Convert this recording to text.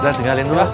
udah tinggalin dulu